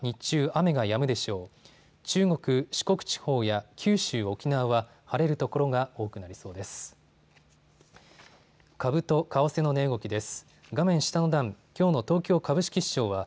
中国、四国地方や九州、沖縄は晴れる所が多くなりそうです。